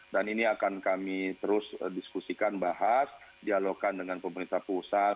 dan ini akan kami terus diskusikan bahas dialogkan dengan pemerintah pusat